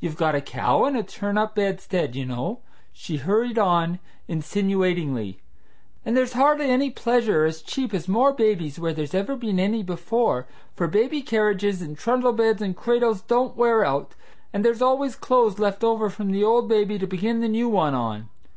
You've got a cow and a turn up bedstead, you know," she hurried on insinuatingly, "and there's hardly any pleasure as cheap as more babies where there's ever been any before, for baby carriages and trundle beds and cradles don't wear out, and there's always clothes left over from the old baby to begin the new one on.